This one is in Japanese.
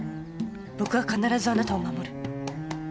僕は必ずあなたを守る」。